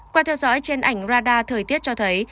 qua theo dõi trên ảnh radar thời tiết cho thấy